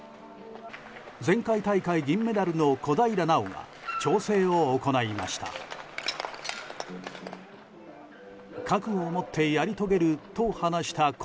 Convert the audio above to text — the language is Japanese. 前回大会銀メダルの小平奈緒が調整を行いました。